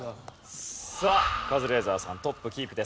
さあカズレーザーさんトップキープです。